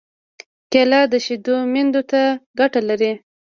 کېله د شېدو میندو ته ګټه لري.